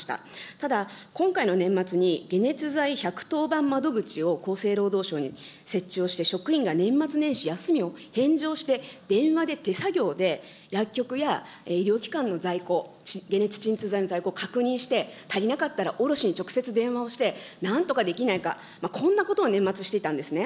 ただ、今回の年末に解熱剤１１０番窓口を厚生労働省に設置をして、職員が年末年始、休みを返上して、電話で手作業で、薬局や医療機関の在庫、解熱鎮痛剤の在庫を確認して、足りなかったら卸しに直接電話して、なんとかできないか、こんなことを年末していたんですね。